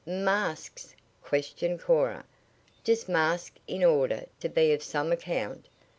"Masks?" questioned Cora. "Just mask in order to be of some account?